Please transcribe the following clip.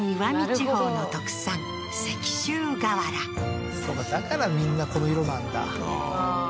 地方の特産石州瓦そうかだからみんなこの色なんだああー